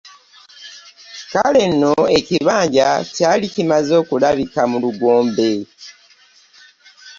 Kale nno ekibanja kyali kimaze okulabika mu Lugombe.